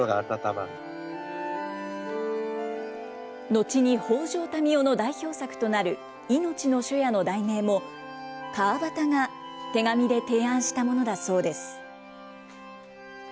後に北條民雄の代表作となる、いのちの初夜の題名も、川端が手紙で提案したものだそうです。